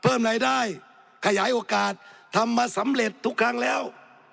เพิ่มรายได้ขยายโอกาสทำมาสำเร็จทุกครั้งแล้ว